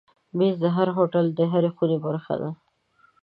مېز د هوټل د هرې خونې برخه ده.